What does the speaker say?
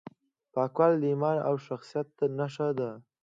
پاکوالی د ایمان او شخصیت نښه ده.